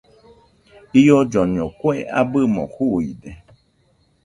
Iollaiño kue abɨmo juuide.